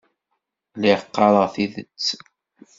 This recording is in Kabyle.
Lliɣ qqareɣ tidet.